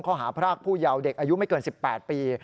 ข้อหาพระอาคผู้เยาว์เด็กอายุไม่เกิน๑๘ปี